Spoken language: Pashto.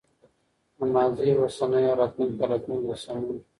د ماضي، اوسني او راتلونکي حالتونو د سمون